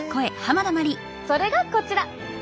それがこちら！